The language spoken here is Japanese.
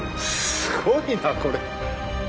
すごいなこれ。